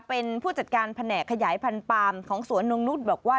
เป็นผู้จัดการแผนกขยายพันธุ์ปาล์มของสวนนงนุษย์บอกว่า